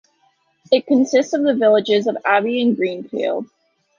It consists of the villages of Aby and Greenfield.